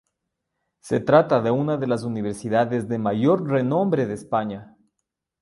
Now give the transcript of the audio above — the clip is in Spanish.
Se trata de una de las universidades de mayor renombre de España.